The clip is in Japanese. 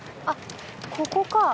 あっここか？